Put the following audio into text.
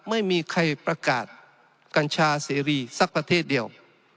ไม่มีใครประกาศกัญชาเสรีสักประเทศเดียว